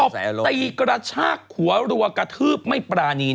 ตีกระชากหัวรัวกระทืบไม่ปรานี